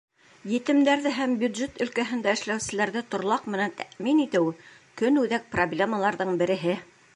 Етемдәрҙе һәм бюджет өлкәһендә эшләүселәрҙе торлаҡ менән тәьмин итеү — көнүҙәк проблемаларҙың береһе.